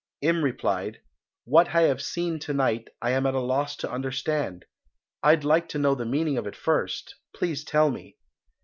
Im replied, "What I have seen to night I am at a loss to understand. I'd like to know the meaning of it first; please tell me.